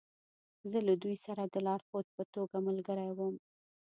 زه له دوی سره د لارښود په توګه ملګری وم